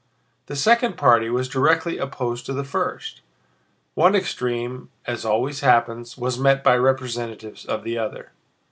The second party was directly opposed to the first; one extreme, as always happens, was met by representatives of the other.